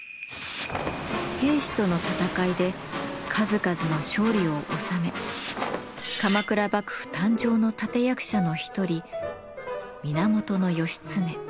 平氏との戦いで数々の勝利を収め鎌倉幕府誕生の立て役者の一人源義経。